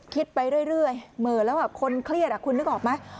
ไปเรื่อยเหมือนแล้วคนเครียดคุณนึกออกไหม